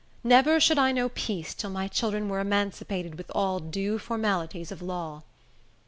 Never should I know peace till my children were emancipated with all due formalities of law.